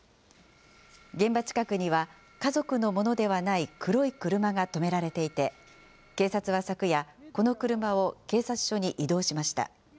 現場近くには、家族のものではない黒い車が止められていて、警察は昨夜、この車を警察署に移動しました。